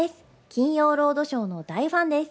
金曜ロードショーの大ファンです。